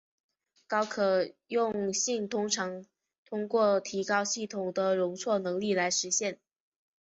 高可用性通常通过提高系统的容错能力来实现。